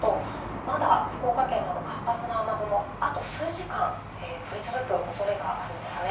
まだ福岡県など活発な雨雲、あと数時間、降り続くおそれがあるんですね。